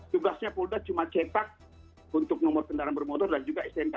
tugasnya polda cuma cetak untuk nomor kendaraan bermotor dan juga stnk